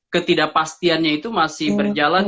ketidakpastiannya itu masih berjalan